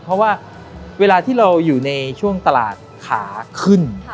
เพราะว่าเวลาที่เราอยู่ในช่วงตลาดขาขึ้น